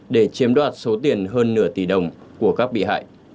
để chiếm đoạt số tiền hơn nửa tỷ đồng của các bị hại